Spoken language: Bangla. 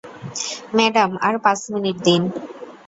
ম্যাডাম, আর পাঁচ মিনিট দিন।